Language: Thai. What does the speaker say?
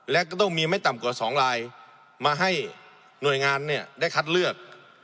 และก็ต้องมีไม่ต่ำกว่า๒ลายมาให้หน่วยงานเนี่ยได้คัดเลือก